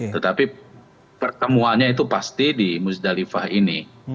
tetapi pertemuannya itu pasti di musdalifah ini